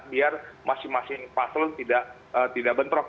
biar masing masing paslon tidak bentrok